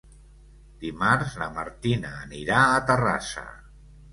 Dimarts na Martina anirà a Terrassa.